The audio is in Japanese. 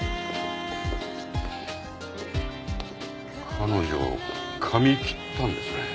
彼女髪切ったんですね。